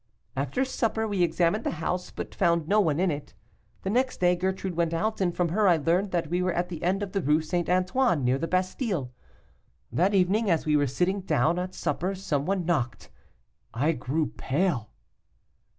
After supper, we examined the house, but found no one in it. The next day Gertrude went out, and from her I learned that we were at the end of the Rue St. Antoine, near the Bastile. That evening, as we were sitting down to supper, some one knocked. I grew pale.